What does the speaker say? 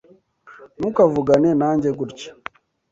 Ntukavugane nanjye gutya.